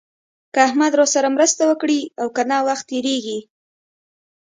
که احمد راسره مرسته وکړي او که نه وخت تېرېږي.